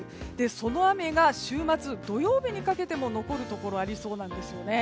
その雨が週末土曜日にかけても残るところがありそうなんですよね。